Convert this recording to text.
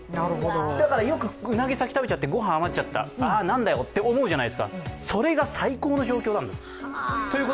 だからよくうなぎ先食べちゃってごはん余っちゃった、ああなんだよと思うじゃないですか、それが最高の状況なんです。